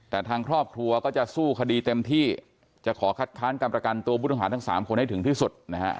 แต่ทางครอบครัวก็จะสู้คดีเต็มที่จะขอคัดค้านการประกันตัวผู้ต้องหาทั้ง๓คนให้ถึงที่สุดนะฮะ